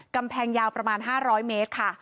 กำแพงยาวประมาณ๕๐๐เมตรค่ะ